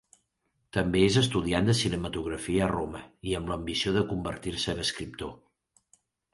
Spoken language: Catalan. També és estudiant de cinematografia a Roma, i amb l'ambició de convertir-se en escriptor.